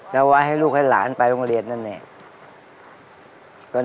แล้วว่าให้ลูกให้หลานไปโรงเรียนนั่นแหละ